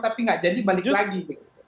tapi nggak jadi balik lagi